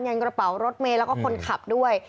ันกระเป๋ารถเมย์แล้วก็คนขับด้วย